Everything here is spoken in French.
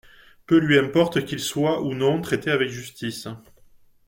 Peu lui importe qu’ils soient ou non traités avec justice.